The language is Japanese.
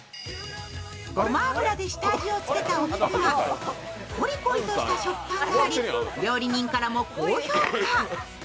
ごま油で下味をつけたお肉はこりこりとした食感があり料理人からも高評価。